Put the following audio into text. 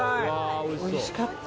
おいしかった。